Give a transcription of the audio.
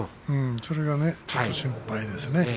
それがちょっと心配ですね。